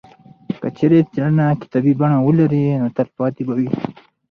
که څېړنه کتابي بڼه ولري نو تلپاتې به وي.